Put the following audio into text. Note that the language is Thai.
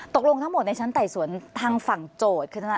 ตกลงทั้งหมดในชั้นไต่สวนทางฝั่งโจทย์คือทนาย